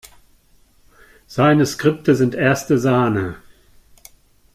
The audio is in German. Seine Skripte sind erste Sahne.